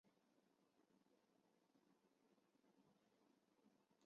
十大愿王在藏传佛教中对应的是七支供养。